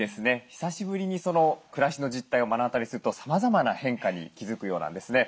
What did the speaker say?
久しぶりに暮らしの実態を目の当たりにするとさまざまな変化に気付くようなんですね。